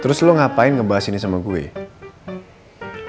terus kamu ngapain membahas ini sama saya